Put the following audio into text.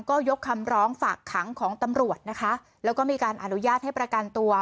ก็ยกคำร้องฝากขังของตำรวจนะคะแล้วก็มีการอนุญาตให้ประกันตัว